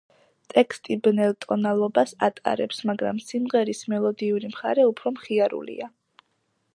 ტექსტი ბნელ ტონალობას ატარებს, მაგრამ სიმღერის მელოდიური მხარე უფრო მხიარულია.